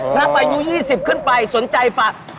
ระบายอยู่๒๐ขึ้นไปสนใจฝาก